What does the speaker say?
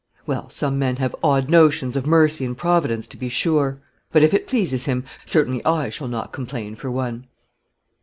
"Well, some men have odd notions of mercy and providence, to be sure; but if it pleases him, certainly I shall not complain for one."